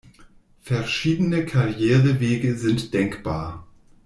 Verschiedene Karrierewege sind denkbar.